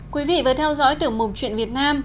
quý vị vừa theo dõi tiểu mục chuyện việt nam